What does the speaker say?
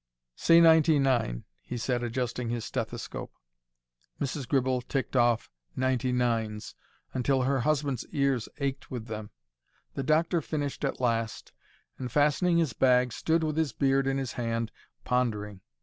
"Say 'ninety nine,'" he said, adjusting his stethoscope. Mrs. Gribble ticked off "ninety nines" until her husband's ears ached with them. The doctor finished at last, and, fastening his bag, stood with his beard in his hand, pondering.